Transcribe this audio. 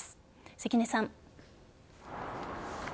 関根さん。